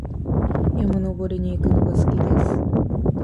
山登りに行くのが好きです。